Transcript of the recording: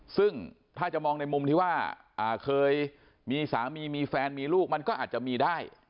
ซึ่งถ้าจะมองในมุมที่ว่าเคยมีสามีมีแฟนมีลูกมันก็อาจจะมีได้